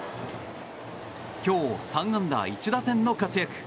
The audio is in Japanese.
今日、３安打１打点の活躍。